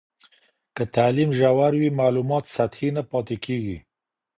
که تعلیم ژور وي، معلومات سطحي نه پاته کېږي.